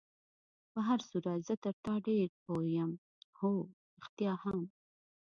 په هر صورت زه تر تا ډېر پوه یم، هو، رښتیا هم.